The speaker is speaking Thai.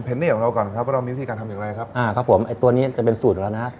นี่ของเราก่อนครับว่าเรามีวิธีการทำอย่างไรครับอ่าครับผมไอ้ตัวนี้จะเป็นสูตรอยู่แล้วนะฮะ